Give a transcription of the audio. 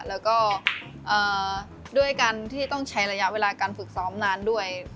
แล้วก็ด้วยการที่ต้องใช้ระยะเวลาการฝึกซ้อมนานด้วย